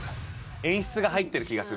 演出が入ってる気がする。